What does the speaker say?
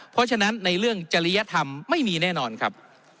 เพราะฉะนั้นในเรื่องจริยธรรมไม่มีแน่นอนครับ